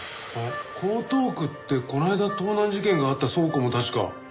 江東区ってこの間盗難事件があった倉庫も確か。